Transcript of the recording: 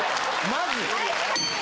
まず。